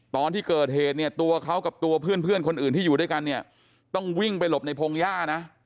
ตอนที่เกิดเหตุเนี่ยตัวเขากับตัวเพื่อนคนอื่นที่อยู่ด้วยกันเนี่ยต้องวิ่งไปหลบในพงหญ้านะ